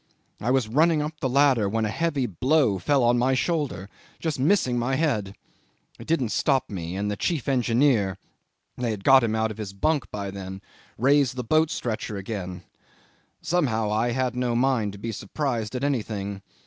I was running up the ladder when a heavy blow fell on my shoulder, just missing my head. It didn't stop me, and the chief engineer they had got him out of his bunk by then raised the boat stretcher again. Somehow I had no mind to be surprised at anything.